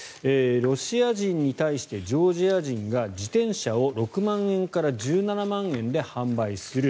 ロシア人に対してジョージア人が自転車を６万円から１７万円で販売する。